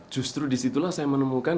justru disitulah saya menemukan